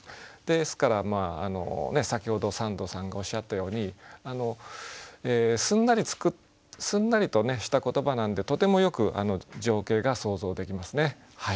ですから先ほど三度さんがおっしゃったようにすんなりとした言葉なんでとてもよく情景が想像できますね。